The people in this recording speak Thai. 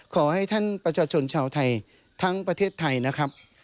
ขอให้ท่านประชาชนชาวไทยทั้งประเทศไทยนะครับ